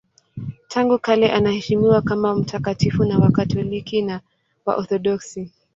Tangu kale anaheshimiwa kama mtakatifu na Wakatoliki na Waorthodoksi.